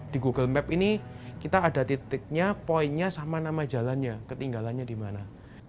di google map ini kita ada titiknya poinnya sama nama jalannya ketinggalannya di mana